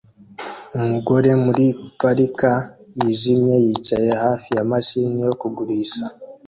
Umugore muri parka yijimye yicaye hafi ya mashini yo kugurisha